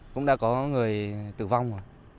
cũng đã có người tử vong